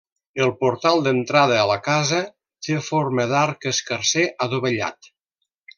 El portal d'entrada a la casa té forma d'arc escarser adovellat.